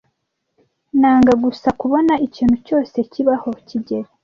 Nanga gusa kubona ikintu cyose kibaho kigeli.